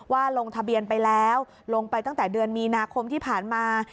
ลงทะเบียนไปแล้วลงไปตั้งแต่เดือนมีนาคมที่ผ่านมา